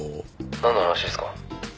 「なんの話ですか？」